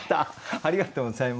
ありがとうございます。